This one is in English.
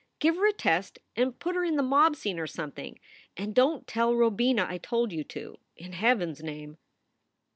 Give her a test and put her in the mob scene or something. And don t tell Robina I told you to, in Heaven s name."